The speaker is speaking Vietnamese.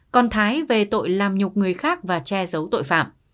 còn thái về tội làm nhục người khác và che giấu tội phạm